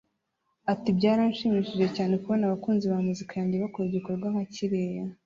Ati” Byaranshimishije cyane kubona abakunzi ba muzika yanjye bakora igikorwa nka kiriya